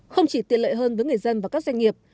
không chỉ tiện lợi hơn với người dân và các doanh nghiệp